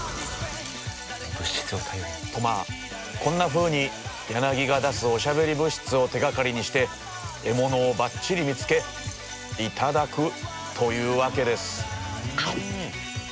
まあこんなふうにヤナギが出すおしゃべり物質を手がかりにして獲物をばっちり見つけ頂くというわけです。